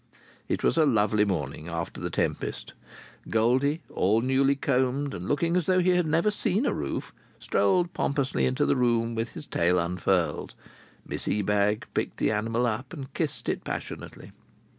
It was a lovely morning after the tempest. Goldie, all newly combed, and looking as though he had never seen a roof, strolled pompously into the room with tail unfurled. Miss Ebag picked the animal up and kissed it passionately.